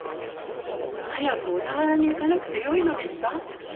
早く小田原に行かなくてよいのですか。